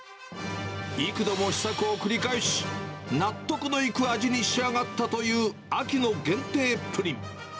幾度も試作を繰り返し、納得のいく味に仕上がったという秋の限定プリン。